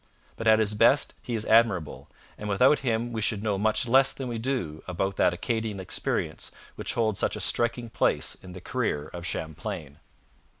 But at his best he is admirable, and without him we should know much less than we do about that Acadian experience which holds such a striking place in the career of Champlain.